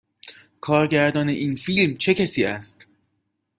کارگردان این فیلم چه کسی است؟